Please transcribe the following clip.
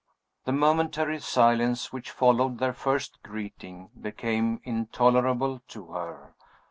The momentary silence which followed their first greeting became intolerable to her.